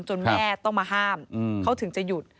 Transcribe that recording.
แม่ต้องมาห้ามเขาถึงจะหยุด